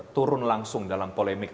turun langsung dalam polemik